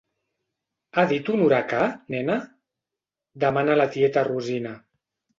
Ha dit un huracà, nena? —demana la tieta Rosina.